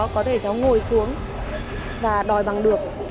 có thể cháu ngồi xuống và đòi bằng được